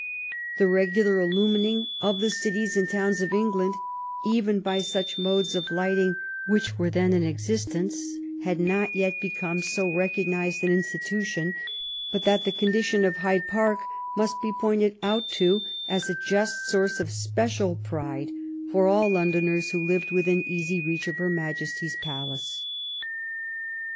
The regular illumining of the cities and towns of England, even by such modes of lighting which were then in existence, had not yet become so 208 THE LONDON OF QUEEN ANNE recognized an institution but that the condition of Hyde Park might be pointed to as a just source of special pride for all Londoners who lived within easy reach of her Majesty^s palace.